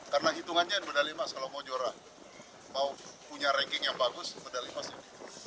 karena hitungannya medali emas kalau mau juara mau punya ranking yang bagus medali emas itu